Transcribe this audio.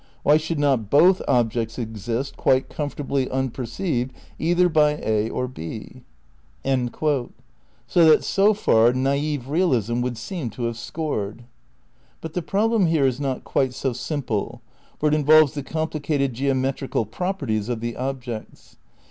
Why should not both objects exist quite comfortably unpereeived either by A or B.'" So that, so far, naif realism would seem to have scored. But the problem here is not quite so simple. For it involves the complicated geometrical properties of the objects.